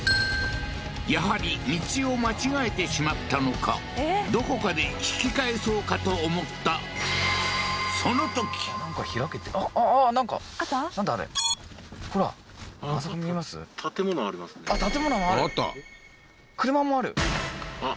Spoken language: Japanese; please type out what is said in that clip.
やはり道を間違えてしまったのかどこかで引き返そうかと思ったなんか開けてあっ建物もあるあっ